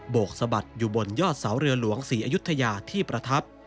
กสะบัดอยู่บนยอดเสาเรือหลวงศรีอยุธยาที่ประทับ